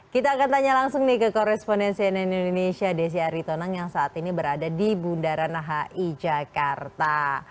kita akan tanya langsung nih ke korespondensi nn indonesia desi aritonang yang saat ini berada di bundaran hi jakarta